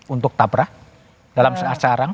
untuk tapra dalam semasa arang